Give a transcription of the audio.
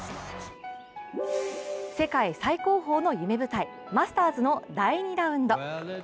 世界最高峰の夢舞台マスターズの第２ラウンド。